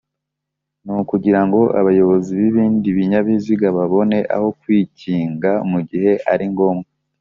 nukugirango abayobozi bibindi binyabiziga babone aho kwikinga mugihe ari ngombwe